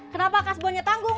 kenapa kasbonnya tanggung